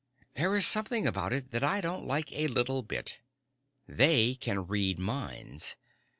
There is something about it that I don't like a little bit. They can read minds.